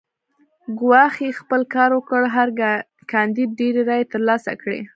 ګواښ خپل کار وکړ هر کاندید ډېرې رایې ترلاسه کړې.